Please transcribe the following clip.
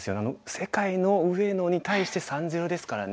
世界の上野に対して３−０ですからね。